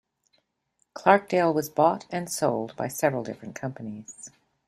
Clarkdale was bought and sold by several different companies.